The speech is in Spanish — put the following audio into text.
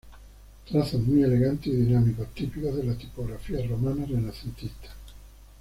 Trazos muy elegantes y dinámicos típico de las tipografías romanas renacentistas.